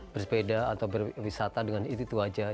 bersepeda atau berwisata dengan itu itu aja